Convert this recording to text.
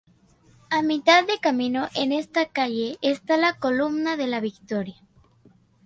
A mitad de camino en esta calle está la Columna de la victoria.